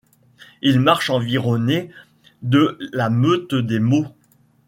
Il marche environné de la meute des maux ;